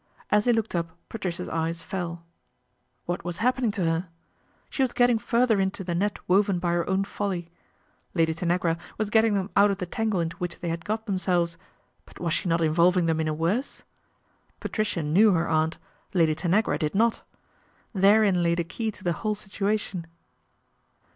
!j he looked up Patricia's eyes fell. What was ppening to her ? She was getting further into net woven by her own folly. Lady Tanagra getting them out of the tangle into which they d got themselves ; but was she not involving :m in a worse? Patricia knew her aunt, Lady .agra did not. Therein lay the key to the whole uation.